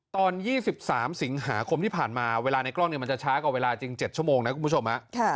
๒๓สิงหาคมที่ผ่านมาเวลาในกล้องมันจะช้ากว่าเวลาจริง๗ชั่วโมงนะคุณผู้ชม